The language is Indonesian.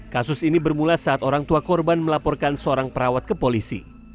kasus ini bermula saat orang tua korban melaporkan seorang perawat ke polisi